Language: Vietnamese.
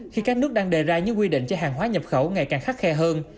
khi các nước đang đề ra những quy định cho hàng hóa nhập khẩu ngày càng khắc khe hơn